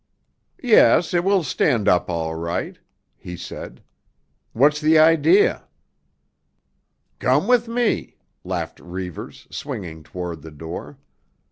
"Yes, it will stand up all right," he said. "What's the idea?" "Come with me," laughed Reivers, swinging toward the door.